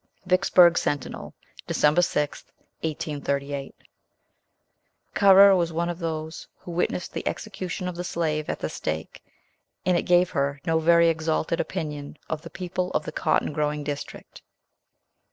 Vicksburg Sentinel, Dec. 6th, 1838. Currer was one of those who witnessed the execution of the slave at the stake, and it gave her no very exalted opinion of the people of the cotton growing district.